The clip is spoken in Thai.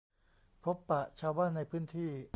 พบปะชาวบ้านในพื้นที่